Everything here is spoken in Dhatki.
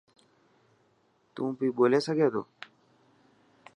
تون بي ٻولي سگھي ٿو.